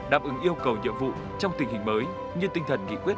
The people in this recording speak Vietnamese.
đáp ứng yêu cầu nhiệm vụ trong tình hình mới như tinh thần nghị quyết một mươi hai